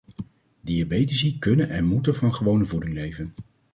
Diabetici kunnen en moeten van gewone voeding leven.